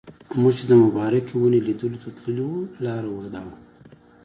موږ چې د مبارکې ونې لیدلو ته تللي وو لاره اوږده وه.